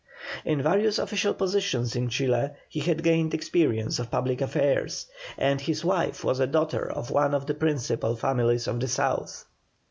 In various official positions in Chile he had gained experience of public affairs, and his wife was a daughter of one of the principal families of the South.